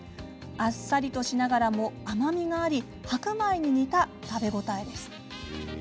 あっさりとしながらも甘みがあり白米に似た食べ応えです。